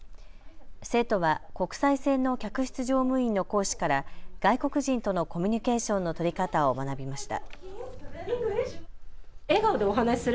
生徒は国際線の客室乗務員の講師から外国人とのコミュニケーションの取り方を学びました。